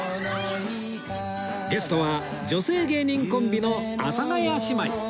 ゲストは女性芸人コンビの阿佐ヶ谷姉妹